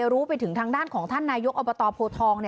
รู้ไปถึงทางด้านของท่านนายกอบตโพทอง